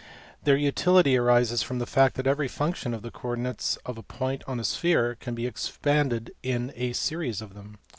Their utility arises from the fact that every function of the coordinates of a point on a sphere can be expanded in a series of them.